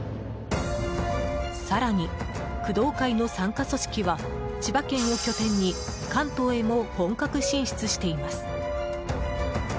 更に、工藤会の傘下組織は千葉県を拠点に関東へも本格進出しています。